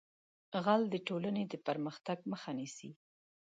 غل د ټولنې د پرمختګ مخه نیسي